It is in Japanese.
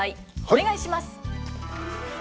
お願いします。